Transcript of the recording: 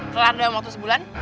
telah dua waktu sebulan